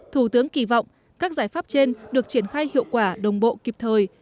thủ tướng kỳ vọng các giải pháp trên được triển khai hiệu quả đồng bộ kịp thời